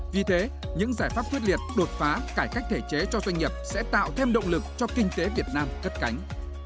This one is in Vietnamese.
vì thế những giải pháp quyết liệt đột phá cải cách thể chế cho doanh nghiệp sẽ tạo thêm động lực cho kinh tế việt nam cất cánh